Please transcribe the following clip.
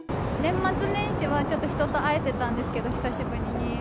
年末年始はちょっと人と会えてたんですけど、久しぶりに。